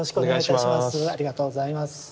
ありがとうございます。